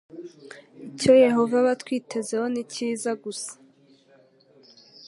icyo yehova aba atwitezeho ni cyiza gusa